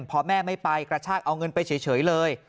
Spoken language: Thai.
พอแม่ไม่ไปกระชากเอาเงินไปเฉยเลย